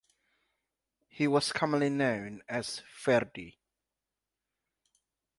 He was commonly known as Ferdy.